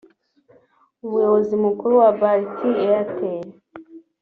Umuyobozi Mukuru wa Bharti Airtel